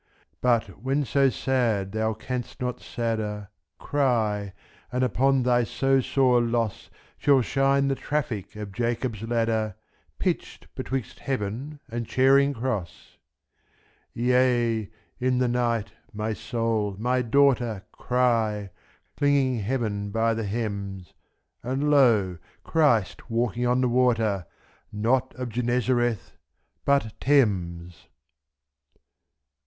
But(when so sad thou canst not sadder) Cry; and upon thy so sore loss Shall shine the traffic of Jacobâs ladder Pitched betwixt Heaven and Charing Cross Yea, in the night, my Soul, my daughter, Cry; clinging Heaven by the hems; And lo, Christ walking on the water Not of Gennesareth, but Thames!